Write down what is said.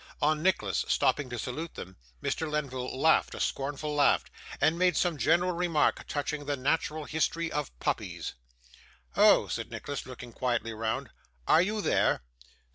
On Nicholas stopping to salute them, Mr. Lenville laughed a scornful laugh, and made some general remark touching the natural history of puppies. 'Oh!' said Nicholas, looking quietly round, 'are you there?